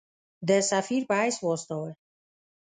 د سفیر په حیث واستاوه.